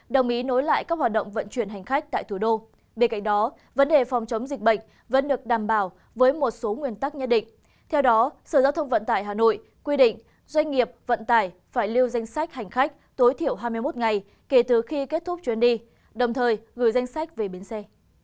sở giao thông vận tải hà nội quy định doanh nghiệp vận tải phải lưu danh sách hành khách tối thiểu hai mươi một ngày kể từ khi kết thúc chuyến đi đồng thời gửi danh sách về biến xe